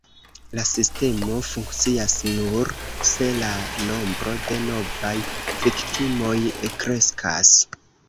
La sistemo funkcias nur se la nombro de novaj viktimoj kreskas.